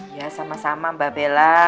ya sama sama mbak bella